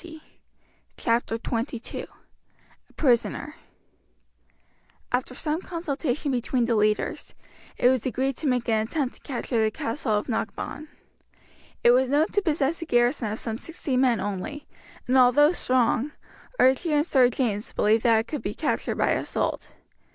Chapter XXII A Prisoner After some consultation between the leaders, it was agreed to make an attempt to capture the castle of Knockbawn. It was known to possess a garrison of some sixty men only, and although strong, Archie and Sir James believed that it could be captured by assault.